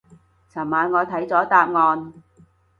琴晚我睇咗答案